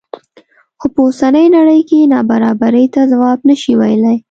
خو په اوسنۍ نړۍ کې نابرابرۍ ته ځواب نه شي ویلی.